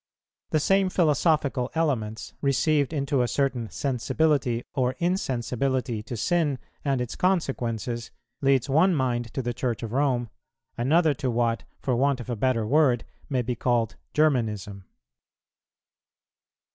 The same philosophical elements, received into a certain sensibility or insensibility to sin and its consequences, leads one mind to the Church of Rome; another to what, for want of a better word, may be called Germanism.